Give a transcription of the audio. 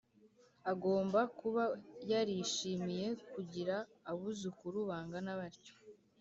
agomba kuba yarishimiye kugira abuzukuru bangana batyo